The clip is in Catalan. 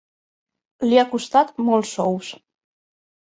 Li ha costat molts sous.